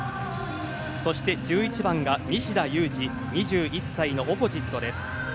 そして１１番が西田有志、２１歳のオポジットです。